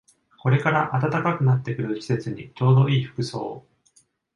これから暖かくなってくる季節にちょうどいい服装